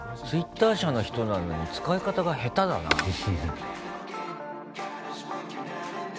ツイッター社の人なのに使い方が下手だなぁ。